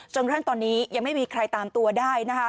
จนกว่าตอนนี้ยังไม่มีใครตามตัวได้